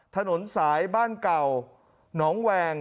ถนนสายบ้านเก่าหนองแวง